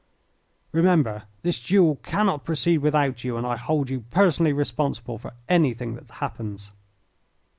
"Remember, this duel cannot proceed without you, and I hold you personally responsible for anything that happens."